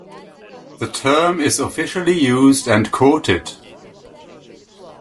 The term is officially used and quoted.